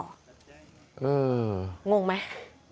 งงไหม